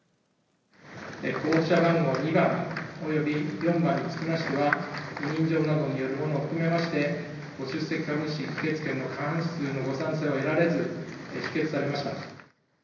候補者番号２番、および４番につきましては、委任状などによるものを含めまして、ご出席株主の議決権の過半数のご賛成を得られず、否決されました。